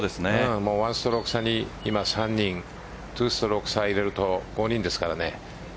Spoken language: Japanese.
１ストローク差に今３人２ストローク差入れると５人ですからね。